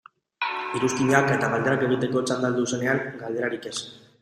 Iruzkinak eta galderak egiteko txanda heldu zenean, galderarik ez.